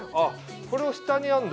これを下にやるんだ。